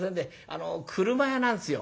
あの俥屋なんですよ